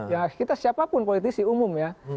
ya kita siapapun politisi umum ya